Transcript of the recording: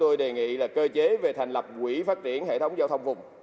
tôi đề nghị là cơ chế về thành lập quỹ phát triển hệ thống giao thông vùng